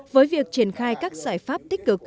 với việc triển khai các giải pháp tích cực